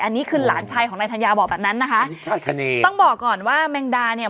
อันนี้คือหลานชายของนายธัญญาบอกแบบนั้นนะคะนี่ต้องบอกก่อนว่าแมงดาเนี่ย